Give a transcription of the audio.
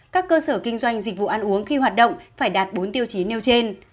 các cơ sở kinh doanh dịch vụ ăn uống khi hoạt động phải đạt bốn tiêu chí nêu trên